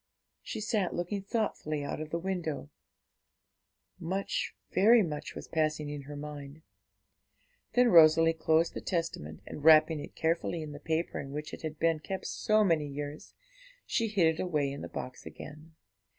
She sat looking thoughtfully out of the window; much, very much was passing in her mind. Then Rosalie closed the Testament, and, wrapping it carefully in the paper in which it had been kept so many years, she hid it away in the box again.